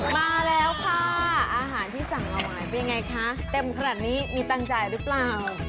มาแล้วค่ะอาหารที่สั่งเอาไว้เป็นยังไงคะเต็มขนาดนี้มีตังค์จ่ายหรือเปล่า